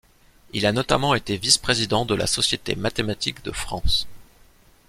Il a notamment été vice-président de la Société mathématique de France.